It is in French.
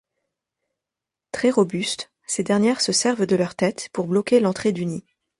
Très robuste, ces dernières se servent de leurs têtes pour bloquer l’entrée du nid.